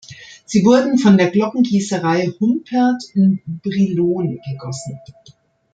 Sie wurden von der Glockengießerei Humpert in Brilon gegossen.